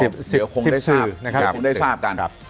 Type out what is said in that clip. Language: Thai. ๑๐ทิศสื่อคงได้ทราบกันครับ